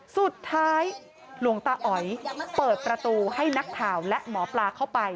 หลวงตาอ๋อยเปิดประตูให้นักข่าวและหมอปลาเข้าไป